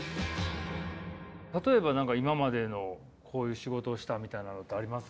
例えば今までのこういう仕事をしたみたいなのってあります？